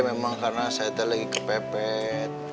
memang karena saya itu lagi kepepet